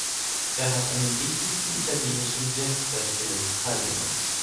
Er hat an den wichtigsten italienischen Jazzfestivals teilgenommen.